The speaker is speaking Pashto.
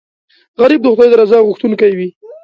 غریب د خدای د رضا غوښتونکی وي